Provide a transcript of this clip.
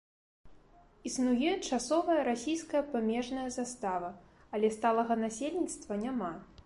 Існуе часовая расійская памежная застава, але сталага насельніцтва няма.